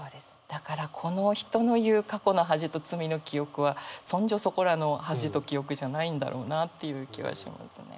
だからこの人の言う「過去の恥と罪の記憶」はそんじょそこらの「恥と記憶」じゃないんだろうなっていう気はしますね。